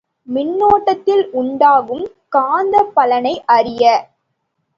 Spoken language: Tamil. மின்னோட்டத்தில் உண்டாகும் காந்த பலனை அறிய.